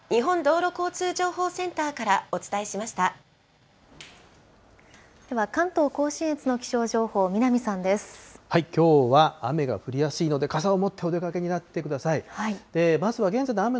日本道路交通情報センターからおでは、関東甲信越の気象情報、きょうは雨が降りやすいので、傘を持ってお出かけになってください。